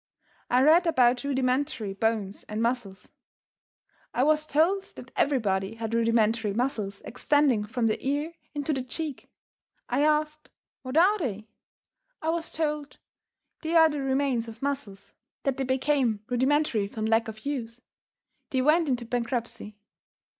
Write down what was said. I read about rudimentary bones and muscles. I was told that everybody had rudimentary muscles extending from the ear into the cheek. I asked "What are they?" I was told: "They are the remains of muscles; that they became rudimentary from lack of use; they went into bankruptcy.